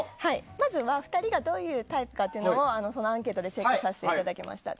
まずは２人がどういうタイプかをアンケートでチェックさせていただきました。